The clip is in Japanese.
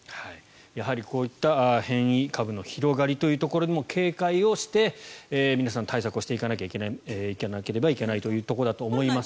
やはりこういった変異株の広がりというところにも警戒をして、皆さん対策をしていかなければいけないということです。